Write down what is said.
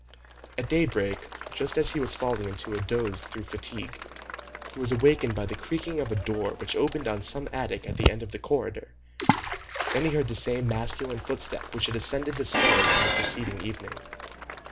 At daybreak, just as he was falling into a doze through fatigue, he was awakened by the creaking of a door which opened on some attic at the end of the corridor, then he heard the same masculine footstep which had ascended the stairs on the preceding evening.